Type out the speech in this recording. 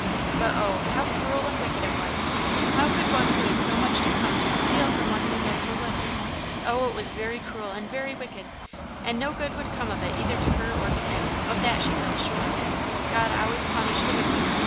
But oh! how cruel and wicked it was! How could one who had so much come to steal from one who had so little? Oh, it was very cruel and very wicked, and no good would come of it either to her or to him; of that she felt quite sure. God always punished the wicked.